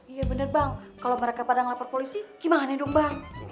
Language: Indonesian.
iya bener bang kalau mereka pada lapor polisi gimana dong bang